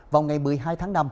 vào ngày một mươi hai tháng năm